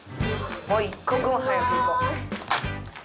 もう一刻も早くいこう。